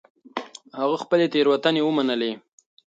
هغه خپلې تېروتنې ومنلې.